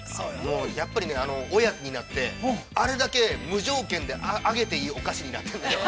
やっぱりね、親になって、あれだけ無条件であげていいお菓子。